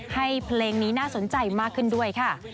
เพลงนี้น่าสนใจมากขึ้นด้วยค่ะ